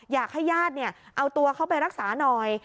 อยากให้ญาติเอาตัวเขาไปรักษาหน่อย